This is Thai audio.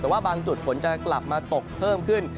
แต่ว่าบางจุดฝนจะกลับมาตกเพิ่มขึ้น